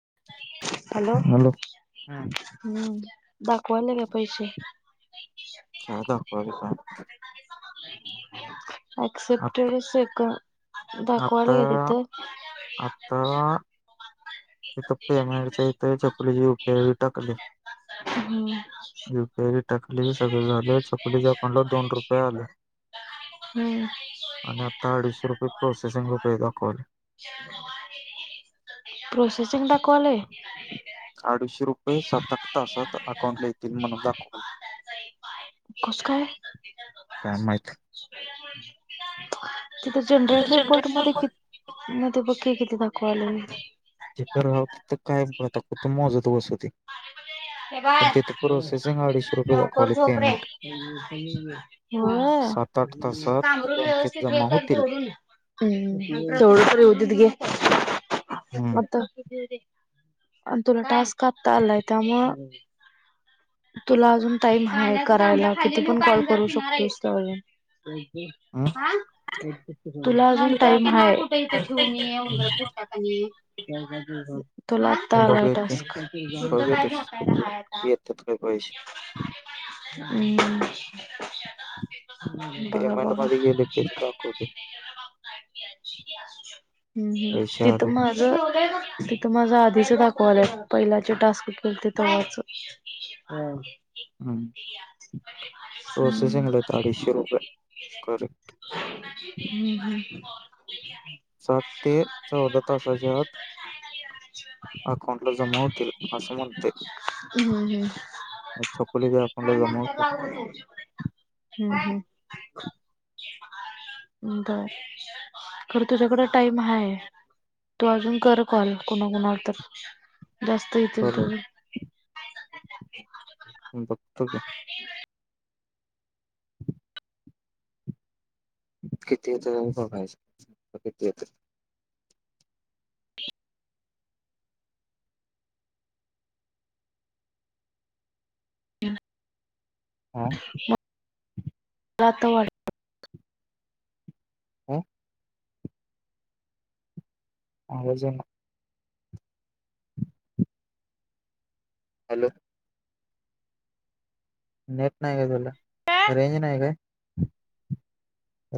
[inaudible] Hello हम्म दाखवायला का पैसे? अ दखले का अक्सेप्टेडस आहे दाखवायला आता गेतथं इथ पेमेंटच्या इथ चकलीची यपी टाकली हम्म टकली सगळे झाले चकलीच्याकणला दोन रुपये आले हम्म. आणि आता अडीचशे रुपये प्रोसेसिंग रुपये दाखवले प्रोसेसिंग ट कले अडीचशे रुपये सात आठ तासात अकाउंटला येतील म्हणून दाखवाल कसं काय माहच तिथे जनरेटर पोलट मध्ये किती बकीे किती दा तिथं राव तिथं काय बता कत मोजत बसवती ते बर रुपये नवकर दाखवले झोपरे पेमेंट हो सात आठ तासात काम बँकेत व्यवस्थित हे जमा होतील करोडून हम्म तोळत ऊतिते हम्म आता तुला टास् कापता आलाय त्या मग हम् तुला अजून टाईम ह करायला किती पण कॉल करू शकतोस अे हा तुला अजून त म्हू इथ ठेऊ म आहे उर खूप टाकाणी आहे तुला आत्ता बघूया आलाट की बघूया तेच किती हा येतात काय पैसे आणि पेमेंट बरोबर मध्ये गेले की तिथे दाखवते हम्म हम् पैसे तिथं आले माझं तिथं माझ आधीच दाखवालं पहिल्याचे टास्क के तेथच प्रोसेसिंगला आहेत अडीचशे रुपये करेक्ट [inaudible] सात ते चौदा [inaudible] तासाच्या आत अकाउंटला जमा होतील असं [inaudible] म्हणते होम् चकोलीच्या का अकाउंटला जमा नंतर होतील हम्म हम्म् तर खर तुझ्याकडं टाइम आहे तू अजून कर कॉल कुणाकुणावर तर जास्त येतील कर तु [inaudible] बघतक किती येतय किती येत ह हा मला त वाट हो अज हॅलो नेट नाही काला रेंज नाही काय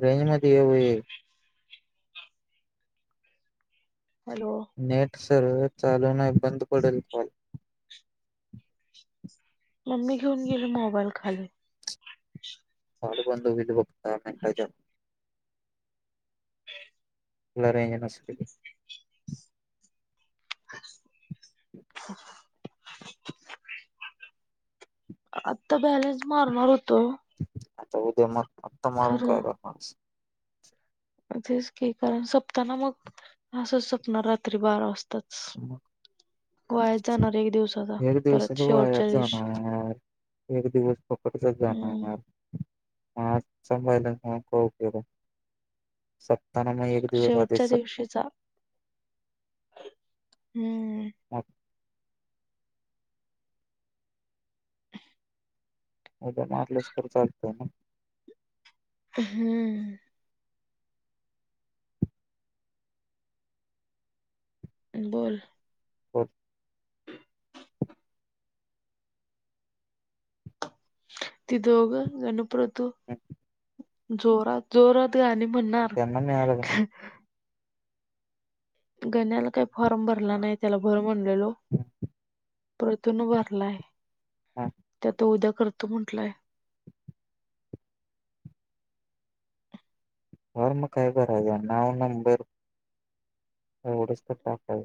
रेंज मध्ये येऊय हॅलो नेट सर्व चालू नाही बंद पडेल कॉल मम्मी घेऊन गेले मोबाईल खाली पाल बंधू विधभक्त मिटाज लरे यां नासाठीली [inaudible] आता बॅलेन्स मारणार होतो आता उद्या मार आता मारून काय खरं का करणारस तेच क कारण सपताना मग असंच सपणार रात्री बारा वाजता मग एक दिवसाचा एक दिवसत परत तर शेवटच्या वयाच जाण दिवशी एक दिवस प फसत जा हम्म आहे या प त्यांना म एक दिवस शेवटच्या आदश शकतो दिवशीचा हम्म अच उद मारलंच तर चालत ना हम्म बोल होर त दोघ गणपतू जोरात जोरात गाणी म्हणणार त्यांना मिळालं का गन्याला काही फॉर्म भरला नाही त्याला भर म्हणलेलो नाही परतून भारलाय हा त्यात उद्या करतो म्हटलाय होर मग काय करायच नाव नंबर एवढंच तर ह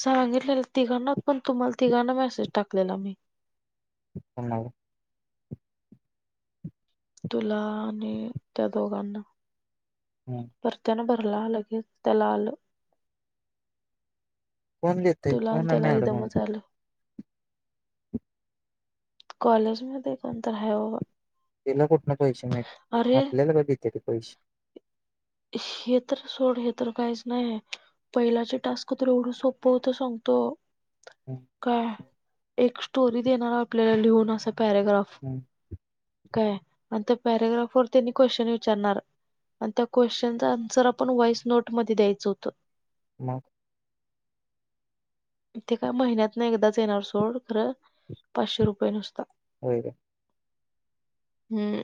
सांगितलेलं तिघांना पण तुम्हाला तिघांना मेसेज टाकलेला मी वा तुला आणि त्या दो काण हम्म परतन ब तलालग तलाल कोण देतय तुला आणि कोण आहे त्याला मॅडम एकदमच आल कॉलेज मध्ये कोणत ह तिला कुठन पैसे नाही आपल्याला बेत पैसे हे तर सोड हे तर काहीच नाही आहे पहिलाचे टास्क तु एवढं सोपं होत सांग तो हम्म काय एक स्टोरी देणार आपल्याला लिहून असं पॅराग्राफ हम्म काय अ पॅराग्राफ वरतीनी क्वेशचन विचारणार अ क्वेश्चनचा आन्सर आपण व्हॉइस नोट म द्यायचं होतं म. [inaudible] ते काय महिन्यात ना एकदाच येणार सोड खरं पाचशे रुपये नुसता. होय काय? [inaudible] हम्.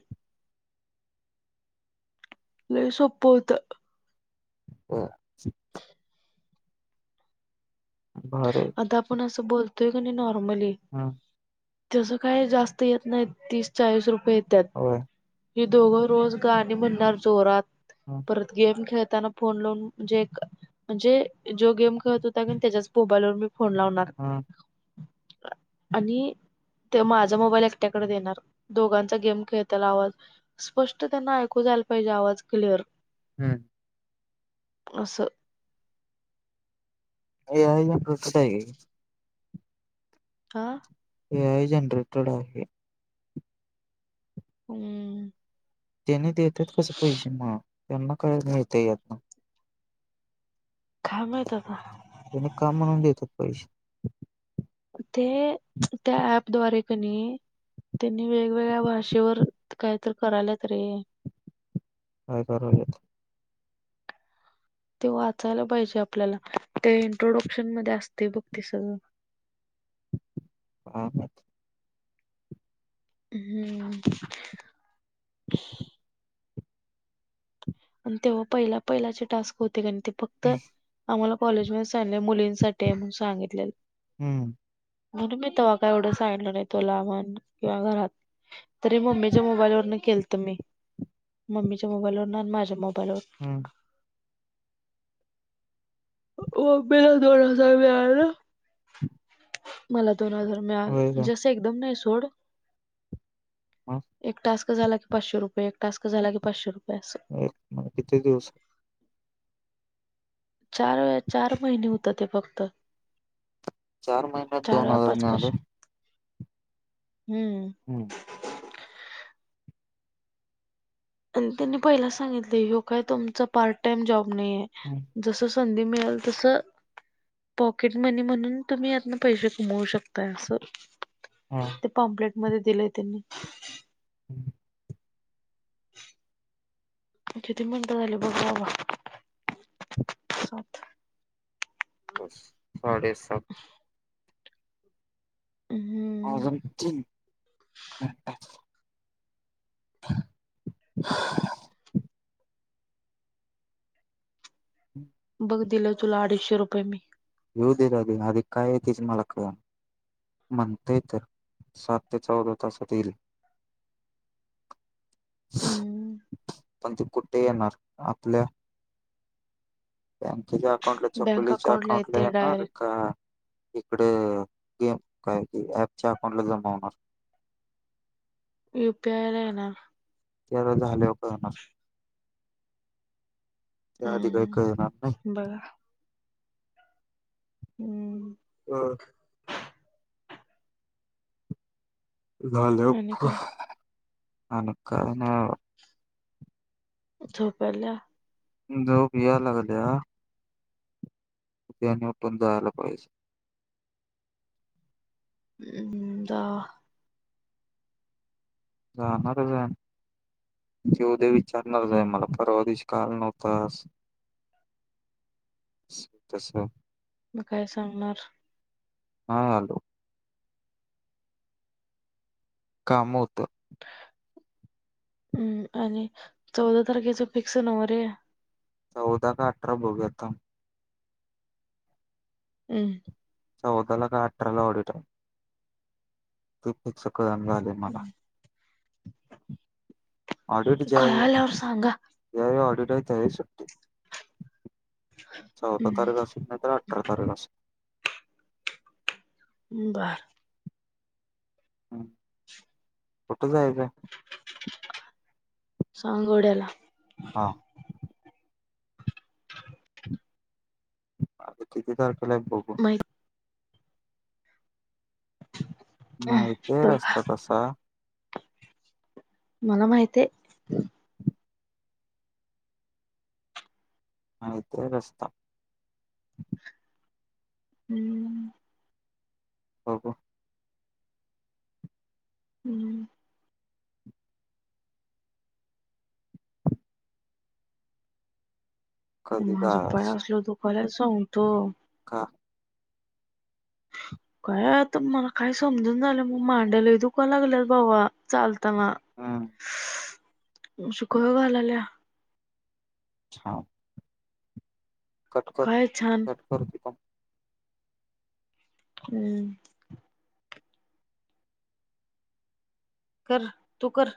लई सोप होत. ह. भारी आता आपण असं बोलतोय क नाही नॉर्मली हम्म तस काही जास्त येत नाही तीस चाळीस रुपये येत्यात. होय हि दोघं रोज गाणी म्हणणार जोरात हा परत गेम खेळ फोन लाून म्हणे म्हणजे जो गेम खेळत होता कनी त्याच्याच मोबाईलवर फोन लावणार. हा आणि ते माझा मोबाईल एकट्याकडे देणार दोघांचा गेम खेळतायला आवाज स्पष्ट त्यांना ऐकू जा यला पाहिजे आवाज क्लीअर. हम्म. असं [inaudible] ए आय नेमक कसं आहे हे? हा. ए आय जनरेटड आहे. हम्म. त्यांनी देतात कसे पैसे म त्यांना काय मिळतंय ह्यातन? काय माहित आता? त्याने काम म्हणून देतात पैसे. ते त्या ॲप द्वारे कनी त्यांनी वेगवेगळ्या भाषेवर काहीतर करायलयात रे होय बरोबर. ते वाचायला पाहिजे आपल्याला ते इंट्रोडक्शन मध्ये असतंय बघ ते सगळं. [inaudible] हा, हा. हम्म. [inaudible] आणि तेव्हा पहिला पहिलाचे टास्क होते कणी ते फक्त आम्हाला कॉलेजवेळेस त्यांनी मुलींसाठी आहे म्हणून सांगितलेलं. हम्म [inaudible] म्हणून मी तेव्हा काय एवढं सांगितलं नाही तुला म्हण किंवा घरात. तरी मम्मीच्या मोबाईल वरन केलत मी मम्मीच्या मोबाईल वरन आणि माझ्या मोबाईल हम्म वरन. [unintelligible] ओंबिला दोन हजार मिळाल. [inaudible] मला दोन हजार मिळालं होय काय म्हणजे असं एकदम नाही सोड मग [inaudible] एक टास्क झाला की पाचशे रुपये एक टास्क झाला की पाचशे रुपये. असं एक म्ह किती दिवस? चार, चार महिने होत ते फक्त. चार महिन्यात चार दोन वेळा हजार पाच मिळाल होय? पाचशे हम्म. [inaudible] आणि त्यांनी पहिलाच सांगितलं हो काय तुमचा पार्ट टाइम जॉब नाहीये. हम्म जस संधी मिळेल तस पॉकेट मनी म्हणून तुम्ही यातन पैसे कमवू शकताय असं. हा ते पोम्प्लेट मध्ये दिलंय त्यांनी. हम्म. किती मिनिट झाली बघ बाबा. [inaudible] सात. बस साडे सात. हम्म अजून तीन मिनिट आहेत. [inaudible] बघ दिलं तुला अडीचशे रुपये मी. येऊ द्या आधी मला काय हाय तेच कळना. म्हणते तर सात ते चौदा तासात येईल. हम्म पण ते कुठे येणार? आपल्या बँकेच्या अकाउंटला बँक चकुलीच्या अकाउंटला येते अकाउंटलाणार डायरेक्ट का? इकडे गेम काय अँपच्या अकाउंट ला जमा होणार. [inaudible] युपीआयला येणार. त्याला झाल्यावर कळणार. त्याआधी काही हम्म कळणार नाही. बघा हम्म. हा. आणि झाल्यावर काय आणि कळणार झोप आल्या. झोप यायला लागल्या. उद्या आणि उठून जायला पाहिजे. दहा. जाणारच आहे तेे उद्या विचारणारच आहे हम्म मला परवा दिवशी. का आला नव्हतास तसं. मग काय सांगणार? हा हॅलो. काम होतं. हम्म आणि चौदा तारखेच फिक्स नव रे. चौदा का अठरा बघुया थांब. हम्. चौदा ला का अठराला उडी ते कस कळना झालंय मला. ऑडिट कळाल्यावर ज्यावेळी सांगा ज्यावेळी ऑडिट त्यावेळी सुट्टी. चौदा तारख हम्म असेल नाही तरर अठरा तारखे असेल. बर. हम् कुठ जायचं आहे का? सांगोड्याला. हा. अ किती तारखेला आहे तर केलाय बघू. माहित माहीतेय बघा रस्ता तसा. मला माहितीये. माहितीते रस्ता. हम्म. हो हो. हम्म. कधी माझं पाय जायचं असल दुखाल्यात सांगतो. हा. काय आता मला काय समजून झालं मग मांड्याला दुका लागल्यात बाबा चालत त म हम्म अशी कळ घालायला. हा. कटकर काय छान कट करते प हम्म. कर तू कर.